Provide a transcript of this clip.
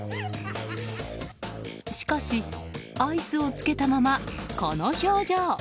しかし、アイスをつけたままこの表情。